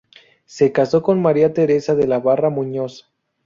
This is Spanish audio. Se casó con María Teresa de la Barra Muñoz.